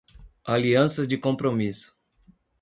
Alianças de compromisso